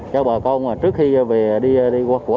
cho bà con trước khi đi qua